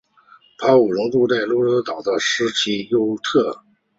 卡普荣住在罗德岛的斯基尤特。